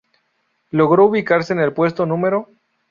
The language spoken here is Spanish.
Logró ubicarse en el puesto No.